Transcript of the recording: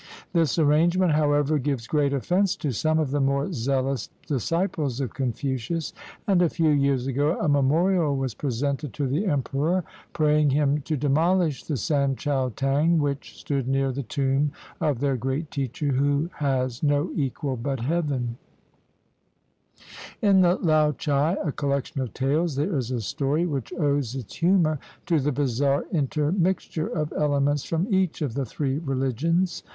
This arrangement, however, gives great ofifense to some of the more zealous disciples of Confucius; and a few years ago a memorial was presented to the emperor, praying him to demolish the San Chiao T'ang, which stood near the tomb of their great teacher, who has "no equal but Heaven." 54 THE THREE RELIGIONS In the Liao Chai, a collection of tales, there is a story which owes its humor to the bizarre intermixture of elements from each of the Three Religions.